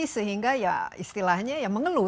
sehingga ya istilahnya ya mengeluh